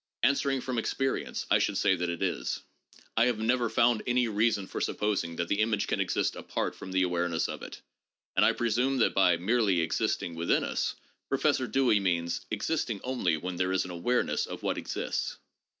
Answering from experience, I should say that it is. I have never found any reason for suppos ing that the image can exist apart from the awareness of it, and I presume that by " merely existing within us " Professor Dewey No. 3.] PURE EXPERIENCE AND REALITY. 28 1 means " existing only when there is an awareness of what exists."